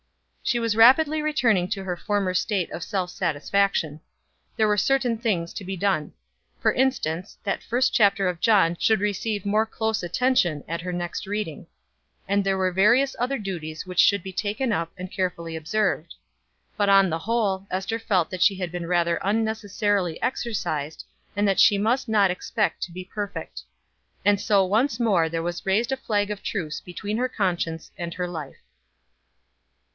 She was rapidly returning to her former state of self satisfaction. There were certain things to be done. For instance, that first chapter of John should receive more close attention at her next reading; and there were various other duties which should be taken up and carefully observed. But, on the whole, Ester felt that she had been rather unnecessarily exercised, and that she must not expect to be perfect. And so once more there was raised a flag of truce between her conscience and her life.